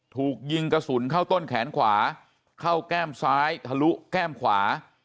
ถูกยิงกระสุนเข้าต้นแขนขวาเข้าแก้มซ้ายทะลุแก้มขวา